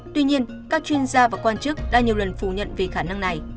tuy nhiên các chuyên gia và quan chức đã nhiều lần phủ nhận về khả năng này